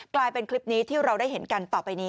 กลายเป็นคลิปนี้ที่เราได้เห็นกันต่อไปนี้